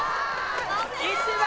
１番！